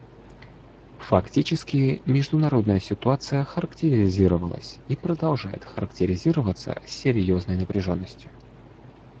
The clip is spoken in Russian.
Фактически, международная ситуация характеризовалась и продолжает характеризоваться серьезной напряженностью.